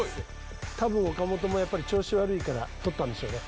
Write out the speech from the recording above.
多分岡本も調子悪いから取ったんでしょうね。